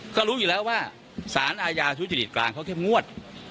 ก็รู้อยู่แล้วว่าศาลอาญาธุรกิจกลางเขาแค่งวด